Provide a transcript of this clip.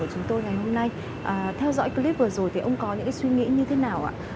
hôm nay theo dõi clip vừa rồi thì ông có những suy nghĩ như thế nào ạ